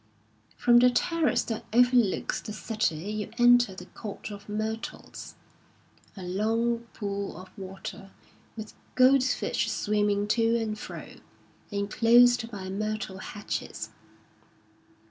From the terrace that overlooks the city you enter the Court of Myrtles ŌĆö a long pool of water with goldfish swimming to and fro, enclosed by myrtle hedges.